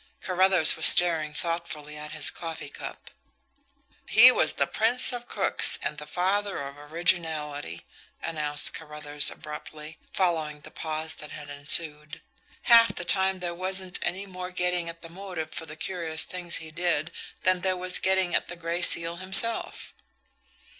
Carruthers was staring thoughtfully at his coffee cup. "He was the prince of crooks and the father of originality," announced Carruthers abruptly, following the pause that had ensued. "Half the time there wasn't any more getting at the motive for the curious things he did, than there was getting at the Gray Seal himself."